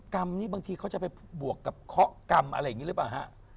กรรมนี่บางทีเขาจะไปบวกกับเคาะกรรมอะไรอย่างนี้หรือเปล่าฮะ